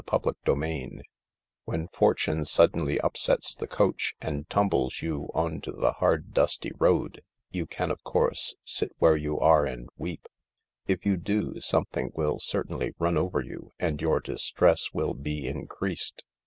c CHAPTER JIII When Fortune suddenly |upsets the coach and tumbles you on to the hard, dusty road, you can, of course, sit where you are and weep. If you do, something will certainly run over you and your distress will be increased.